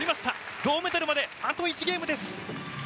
銅メダルまであと１ゲームです。